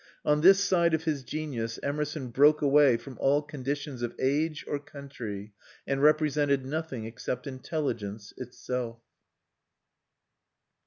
On this side of his genius Emerson broke away from all conditions of age or country and represented nothing except intelligence itself.